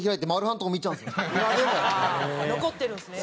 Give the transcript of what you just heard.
残ってるんですね。